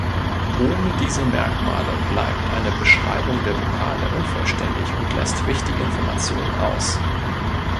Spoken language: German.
Ohne diese Merkmale bleibt eine Beschreibung der Vokale unvollständig und lässt wichtige Informationen aus.